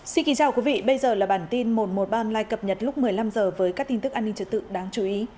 xin kính chào quý vị bây giờ là bản tin một trăm một mươi ba online cập nhật lúc một mươi năm h với các tin tức an ninh trật tự đáng chú ý